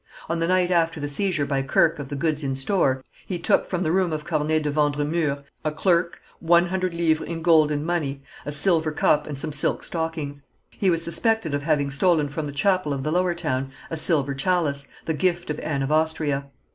On the night after the seizure by Kirke of the goods in store, he took from the room of Corneille de Vendremur, a clerk, one hundred livres in gold and money, a silver cup and some silk stockings. He was suspected of having stolen from the chapel of the Lower Town, a silver chalice, the gift of Anne of Austria.